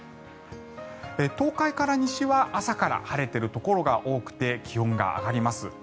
東海から西は朝から晴れているところが多くて気温が上がります。